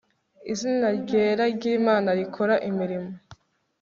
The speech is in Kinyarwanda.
Izina ryera ryImana rikora imirimo